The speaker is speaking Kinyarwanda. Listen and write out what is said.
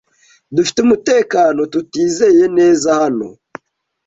Dufite umutekano tutizeye neza hano